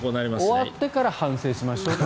終わってから反省しましょうと。